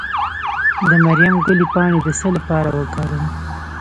د مریم ګلي پاڼې د څه لپاره وکاروم؟